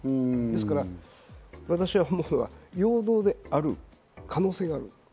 ですから、私が思うのは陽動である可能性がある。